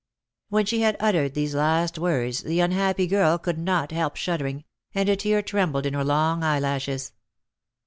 When she had uttered these last words, the unhappy girl could not help shuddering, and a tear trembled in her long eyelashes.